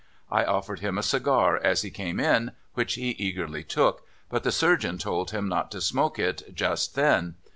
I offered him a cigar as he came in, which he eagerly took, but the surgeon told him not to smoke it just then.